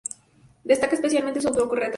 Destaca especialmente su autorretrato.